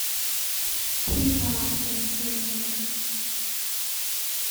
Vanlawng hi ralhriamnam ṭha bik pakhat a si.